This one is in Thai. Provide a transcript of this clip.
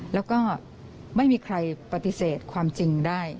แล้วก็ไม่มีใครปฏิเสธความจริงได้